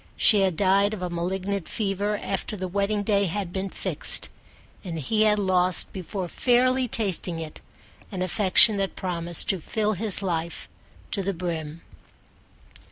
She had died of a malignant fever after the wedding day had been fixed, and he had lost before fairly tasting it an affection that promised to fill his life to the brim.